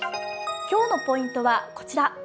今日のポイントはこちら。